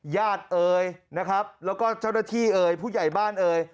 ญาติเอ๋ยแล้วก็เจ้าหน้าที่เอ๋ยผู้ใหญ่บ้านเอ๋ย